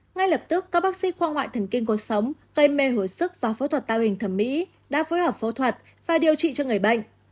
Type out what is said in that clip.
ngay lập tức các bác sĩ khoa ngoại thần kinh cuộc sống gây mê hồi sức và phẫu thuật tạo hình thẩm mỹ đã phối hợp phẫu thuật và điều trị cho người bệnh